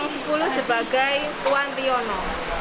sebagai tuan riono